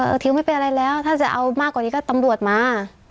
ทิวไม่เป็นอะไรแล้วถ้าจะเอามากกว่านี้ก็ตำรวจมา